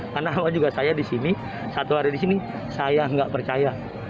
karena awal juga saya di sini satu hari di sini saya tidak percaya